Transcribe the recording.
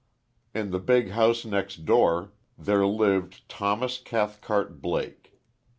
In the big house next door, there lived Thomas Cathcart Blake.